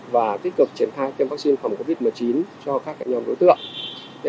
và tích cực triển thai tiêm vắc xin phòng covid một mươi chín cho các nhóm đối tượng